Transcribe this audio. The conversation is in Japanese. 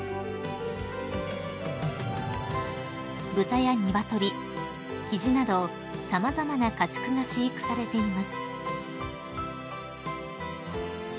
［豚や鶏キジなど様々な家畜が飼育されています］